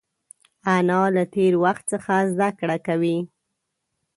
انا له تېر وخت څخه زده کړه کوي